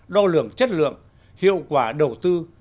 đo lượng chất lượng hiệu quả đầu tư